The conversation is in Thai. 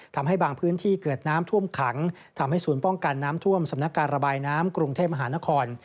ทำให้บางพื้นที่เกิดน้ำท่วมขังทำให้ศูนย์ป้องกันน้ำท่วมสำนักการระบายน้ำกรุงเทพมหานคร